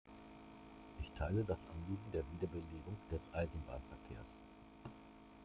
Ich teile das Anliegen der Wiederbelebung des Eisenbahnverkehrs.